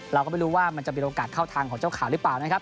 เราก็ไม่รู้ว่ามันจะมีโอกาสเข้าทางของเจ้าข่าวหรือเปล่านะครับ